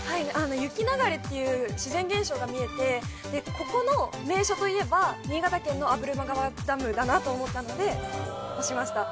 雪流れっていう自然現象が見えてここの名所といえば新潟県の破間川ダムだなと思ったので押しました